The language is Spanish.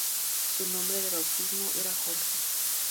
Su nombre de bautismo era Jorge.